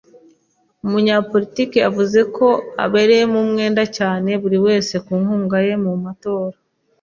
Umunyapolitike yavuze ko abereyemo umwenda cyane buri wese ku nkunga ye mu matora.